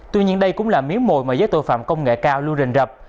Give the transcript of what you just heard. tuy nhiên đây cũng là miếng mồi mà giới tội phạm công nghệ cao luôn rình rập